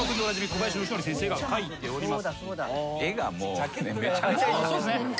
小林よしのり先生が描いております。